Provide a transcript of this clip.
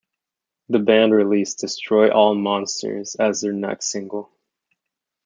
The band released "Destroy All Monsters" as their next single.